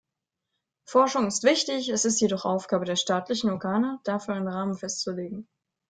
Forschung ist wichtig, es ist jedoch Aufgabe der staatlichen Organe, dafür einen Rahmen festzulegen.